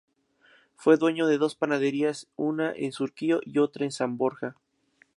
Fue dueño de dos panaderías, una en Surquillo y otra en San Borja.